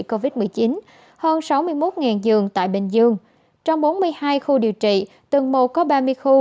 covid một mươi chín hơn sáu mươi một giường tại bình dương trong bốn mươi hai khu điều trị tầng một có ba mươi khu